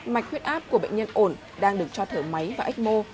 mạch huyết áp của bệnh nhân ổn đang được cho thở máy và ếch mô